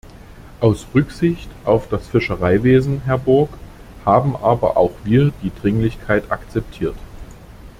Aus Rücksicht auf das Fischereiwesen, Herr Borg, haben aber auch wir die Dringlichkeit akzeptiert.